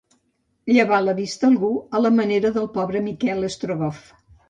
Llevar la vista a algú, a la manera del pobre Miquel Strogoff.